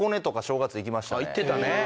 行ってたね。